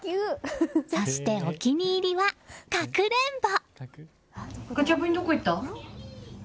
そして、お気に入りはかくれんぼ。